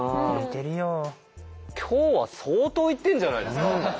今日は相当いってるんじゃないですか。